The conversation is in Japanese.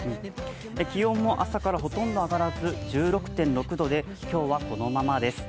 気温も朝からほとんど上がらず１６．６度で今日はこのままです。